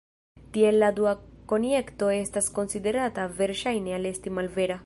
Tiel la dua konjekto estas konsiderata verŝajne al esti malvera.